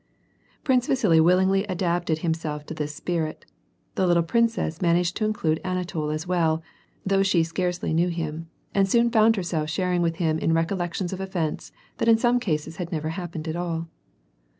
Prince Vasili willingly adapted himself to this spirit; the Httle princess managed to include Anatol as well, though she scarcely knew him, and soon found herself sharing with him in recollections of events that in some cases had never hap pened at all.